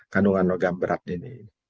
kandungan logam berat ini